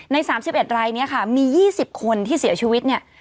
๓๑รายนี้ค่ะมี๒๐คนที่เสียชีวิตเนี่ย